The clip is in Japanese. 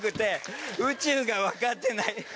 宇宙がわかってない。